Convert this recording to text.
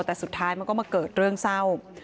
แต่สุดท้ายมันก็มาเกิดเรื่องเศร้า